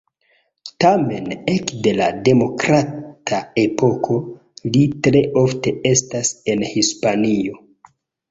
Tamen ekde la demokrata epoko, li tre ofte estas en Hispanio.